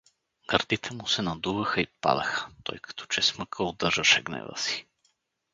Гърдите му се надуваха и падаха, той като че с мъка удържаше гнева си.